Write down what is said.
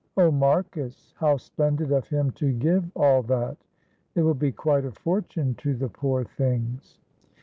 Oh, Marcus, how splendid of him to give all that; it will be quite a fortune to the poor things."